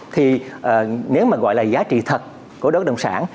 thì nếu mà gọi là giá trị thật của đất bất động sản